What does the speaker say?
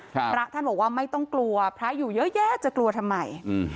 พระท่านบอกว่าไม่ต้องกลัวพระอยู่เยอะแยะจะกลัวทำไมอืม